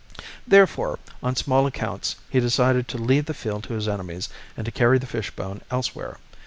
Therefore, on small accounts he decided to leave the field to his enemies and to carry the fishbone elsewhere.